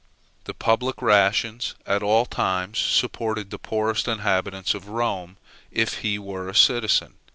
The public rations at all times supported the poorest inhabitant of Rome if he were a citizen.